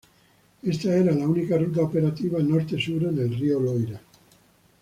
Esta era la única ruta operativa norte-sur en el río Loira.